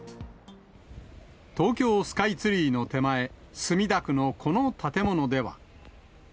東京スカイツリーの手前、墨田区のこの建物では。